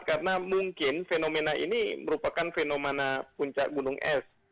karena mungkin fenomena ini merupakan fenomena puncak gunung es